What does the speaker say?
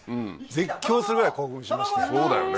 絶叫するぐらい興奮しまして。